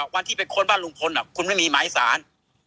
วันที่ไปค้นบ้านลุงพลคุณไม่มีหมายสาร